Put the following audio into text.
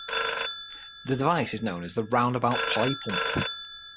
This device is known as the Roundabout PlayPump.